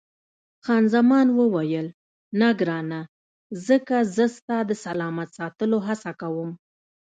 خان زمان وویل، نه ګرانه، ځکه زه ستا د سلامت ساتلو هڅه کوم.